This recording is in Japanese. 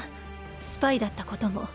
スパイだったことも。